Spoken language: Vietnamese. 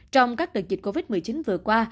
trong các đợt dịch covid một mươi chín vừa qua